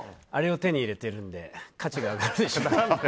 あれを手に入れてるんで価値が上がりますね。